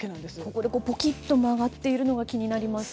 ここでボキッと曲がっているのが気になります。